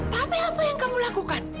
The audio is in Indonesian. tapi apa yang kamu lakukan